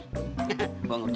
parah nggak tapi